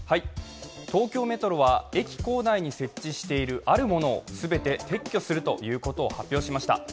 東京メトロは駅構内に設置しているあるものを、全て撤去するということを発表しました。